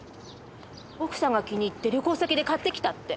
奥さんが気に入って旅行先で買ってきたって。